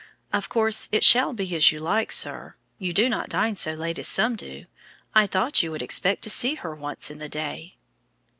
"Of course it shall be as you like, sir. You do not dine so late as some do. I thought you would expect to see her once in the day."